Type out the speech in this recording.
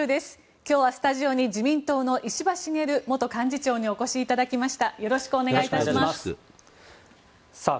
今日はスタジオに自民党の石破茂元幹事長にお越しいただきました。